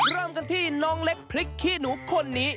เริ่มกันที่น้องเล็กพริกขี้หนูคนนี้